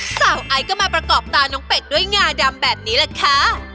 ไอซ์ก็มาประกอบตาน้องเป็ดด้วยงาดำแบบนี้แหละค่ะ